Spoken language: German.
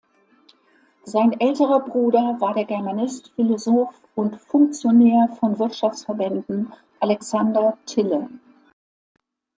Sein älterer Bruder war der Germanist, Philosoph und Funktionär von Wirtschaftsverbänden Alexander Tille.